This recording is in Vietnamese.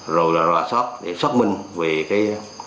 rồi là ra sót để xác minh về cái